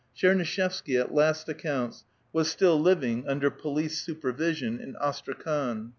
Tchernuishevsky, at last accounts, was still living under police supervision in Astra khan.